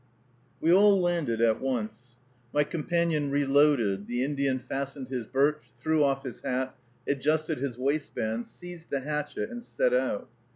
We all landed at once. My companion reloaded; the Indian fastened his birch, threw off his hat, adjusted his waistband, seized the hatchet, and set out.